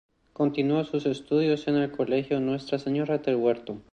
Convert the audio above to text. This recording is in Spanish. Continuó sus estudios en el Colegio Nuestra Señora del Huerto.